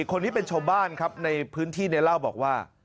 คนนี้เป็นชาวบ้านครับในพื้นที่เนี่ยเล่าบอกว่า